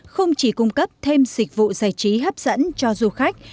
không chỉ cung cấp thêm dịch vụ giải trí hấp dẫn cho du khách